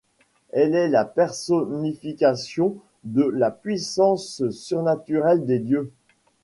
Elle est la personnification de la puissance surnaturelle des dieux.